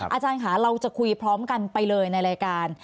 อาจารย์ค่ะเราจะคุยพร้อมกันไปเลยในรายการ